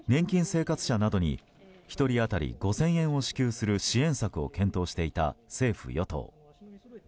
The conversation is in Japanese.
金生活者などに１人当たり５０００円を支給する支援策を検討していた政府・与党。